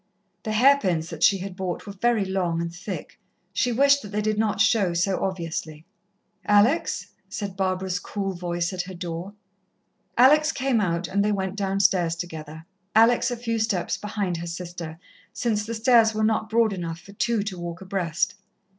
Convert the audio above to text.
The hair pins that she had bought were very long and thick. She wished that they did not show so obviously. "Alex?" said Barbara's cool voice at her door. Alex came out, and they went downstairs together, Alex a few steps behind her sister, since the stairs were not broad enough for two to walk abreast.